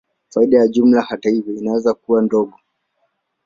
Faida ya jumla, hata hivyo, inaweza kuwa ndogo.